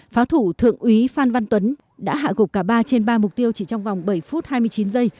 phá thủ thượng úy phan văn tuấn đã hạ gục cả ba trên ba mục tiêu chỉ trong vòng bảy phút hai mươi chín giây